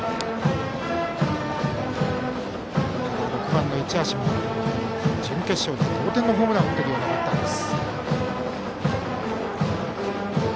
６番の市橋も準決勝で同点のホームランを打っているバッターです。